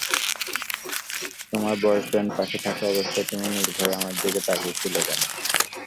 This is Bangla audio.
তোমার বয়ফ্রেন্ড পাশে থাকা অবস্থায় তুমি নির্ভয়ে আমার দিকে তাকিয়ে ছিলে কেন?